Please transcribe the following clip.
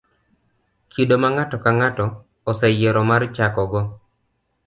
kido ma ng'ato ka ng'ato oseyiero mar chakogo.